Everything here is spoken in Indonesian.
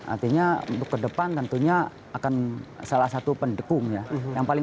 artinya ke depan tentunya akan salah satu pendekung ya